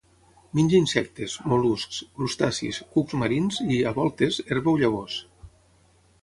Menja insectes, mol·luscs, crustacis, cucs marins i, a voltes, herba o llavors.